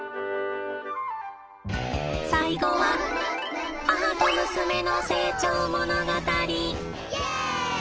最後は母と娘の成長物語。